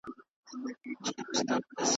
وارخطا دوکانداران او تاجران ول .